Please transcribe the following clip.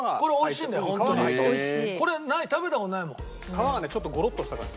皮がねちょっとゴロッとした感じ。